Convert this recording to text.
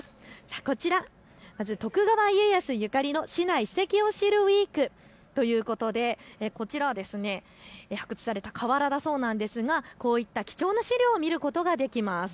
こちら、まず徳川家康ゆかりの市内史跡を知るウイークということで、こちらは発掘された瓦だそうなんですがこういった貴重な資料を見ることができます。